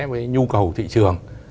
với nhu cầu thị trường